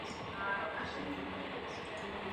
Su principal serie de libros es "Misterios romanos".